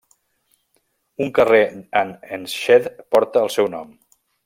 Un carrer en Enschede porta el seu nom.